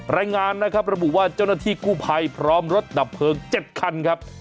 รายงานนะครับระบุว่าเจ้าหน้าที่กู้ภัยพร้อมรถดับเพลิง๗คันครับ